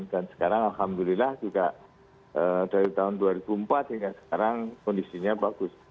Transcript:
sekarang alhamdulillah juga dari tahun dua ribu empat hingga sekarang kondisinya bagus